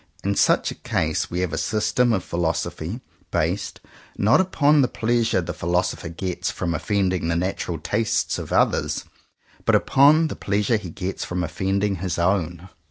In such a case we have a system of philosophy, based, not upon 54 JOHN COWPER POWYS the pleasure the philosopher gets from offending the natural tastes of others, but upon the pleasure he gets from offending his own.